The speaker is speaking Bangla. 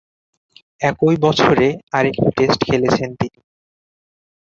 একই বছরে আর একটি টেস্ট খেলেছেন তিনি।